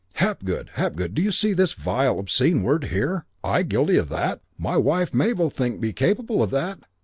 'Hapgood, Hapgood, do you see this vile, obscene word here? I guilty of that? My wife, Mabel, think me capable of that?